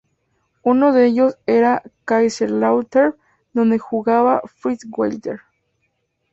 Uno de ellos, era el Kaiserslautern, donde jugaba Fritz Walter.